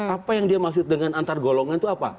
apa yang dia maksud dengan antar golongan itu apa